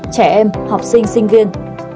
trẻ em học sinh sinh viên